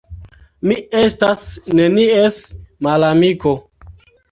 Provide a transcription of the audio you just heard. Mi estas nenies malamiko.